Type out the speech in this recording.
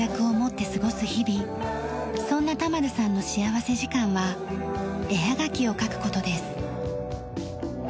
そんな田丸さんの幸福時間は絵はがきを描く事です。